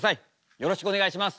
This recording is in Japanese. よろしくお願いします。